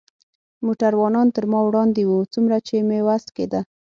موټروانان تر ما وړاندې و، څومره چې مې وس کېده.